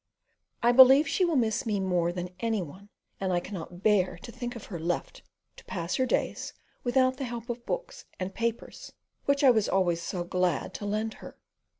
I believe she will miss me more than any one; and I cannot bear to think of her left to pass her days without the help of books and papers, which I was always so glad to lend her.